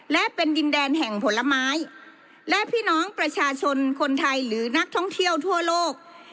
และเป็นดินแดนแห่งผลไม้และพี่น้องประชาชนคนไทยหรือนักท่องเที่ยวทั่วโลก